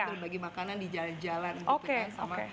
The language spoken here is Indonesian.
untuk bagi makanan di jalan jalan gitu kan sama